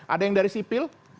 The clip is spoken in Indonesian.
ada yang dari sipil